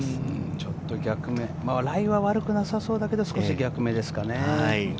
ちょっと逆目、ライは悪くなさそうだけど、ちょっと逆目ですかね。